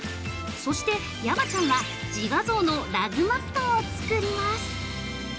そして、山ちゃんは自画像のラグマットを作ります。